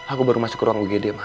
aku baru masuk ke ruang ugd